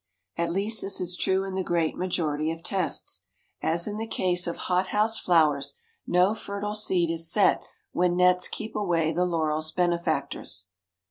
At least this is true in the great majority of tests. As in the case of hot house flowers, no fertile seed is set when nets keep away the laurel's benefactors."